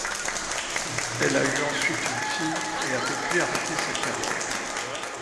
Elle a eu ensuite une fille et a depuis arrêté sa carrière.